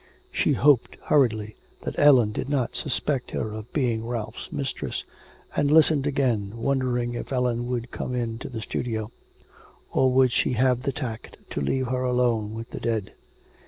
She hoped, hurriedly, that Ellen did not suspect her of being Ralph's mistress, and listened again, wondering if Ellen would come into the studio. Or would she have the tact to leave her alone with the dead?